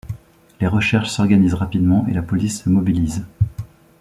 Les recherches s'organisent rapidement et la police se mobilise.